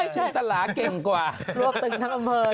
จิตตลาเก่งกว่า